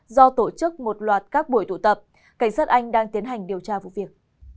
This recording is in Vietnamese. do tổ chức một loạt các buổi tụ tập cảnh sát anh đang tiến hành điều tra vụ việc